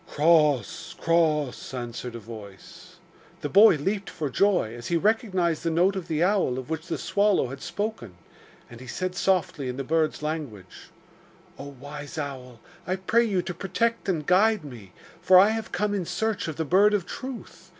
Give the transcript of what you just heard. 'Cross! cross!' answered a voice. The boy leapt for joy as he recognised the note of the owl of which the swallow had spoken, and he said softly in the bird's language: 'Oh, wise owl, I pray you to protect and guide me, for I have come in search of the Bird of Truth.